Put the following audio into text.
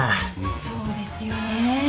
そうですよね。